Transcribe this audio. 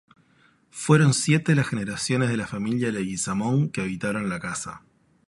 Fueron siete las generaciones de la familia Leguizamón que habitaron la casa.